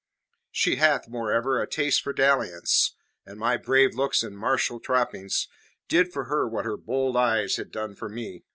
She hath, moreover, a taste for dalliance, and my brave looks and martial trappings did for her what her bold eyes had done for me.